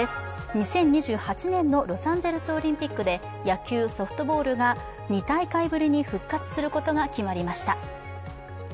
２０２８年のロサンゼルスオリンピックで、野球・ソフトボールが２大会ぶりに復活することが決まりました。